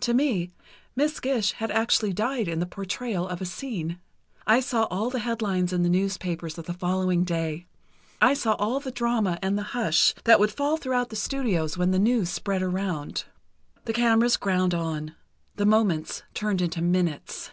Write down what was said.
To me, Miss Gish had actually died in the portrayal of a scene. I saw all the headlines in the newspapers of the following day. I saw all the drama and the hush that would fall throughout the studios when the news spread around. The cameras ground on—the moments turned into minutes.